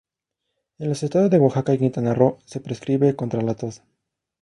En los estados de Oaxaca y Quintana Roo se prescribe contra la tos.